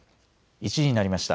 １時になりました。